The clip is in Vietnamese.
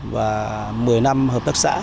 và một mươi năm hợp tác xã